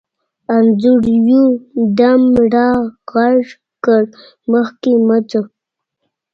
انځور یو دم را غږ کړ: مخکې مه ځه.